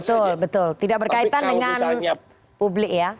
betul betul tidak berkaitan dengan publik ya